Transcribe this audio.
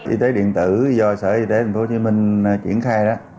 y tế điện tử do sở y tế tp hcm triển khai đó